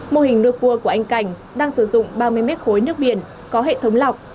mô hình nuôi cua của anh cảnh đang sử dụng ba mươi mét khối nước biển có hệ thống lọc